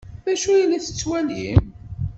D acu ay la tettwalim?